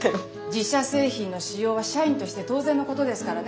自社製品の使用は社員として当然のことですからね。